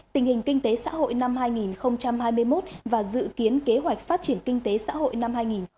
tình hình kinh tế xã hội năm hai nghìn hai mươi một và dự kiến kế hoạch phát triển kinh tế xã hội năm hai nghìn hai mươi